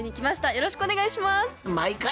よろしくお願いします。